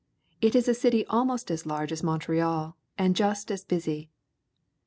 It is a city almost as large as Montreal and just as busy.